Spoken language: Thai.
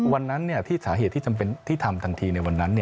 วันนั้นสาเหตุที่ทำทันทีในวันนั้น